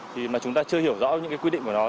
thì mà chúng ta chưa hiểu rõ những cái quy định của nó